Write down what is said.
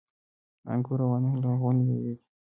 انګور او انار لرغونې میوې دي